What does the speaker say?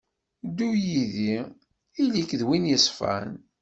Ddu yid-i, ili-k d win yeṣfan.